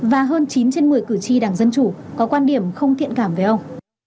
và hơn chín trên một mươi cử tri đảng dân chủ có quan điểm không thiện cảm với ông